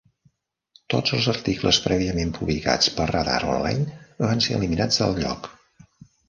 Tots els articles prèviament publicats per Radar Online van ser eliminats del lloc.